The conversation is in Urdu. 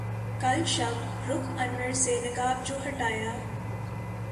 کل شب رخ انور سے نقاب جو ہٹایا